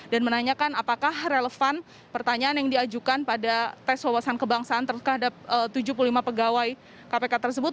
dan menanyakan apakah relevan pertanyaan yang diajukan pada tes wawasan kebangsaan terhadap tujuh puluh lima pegawai kpk tersebut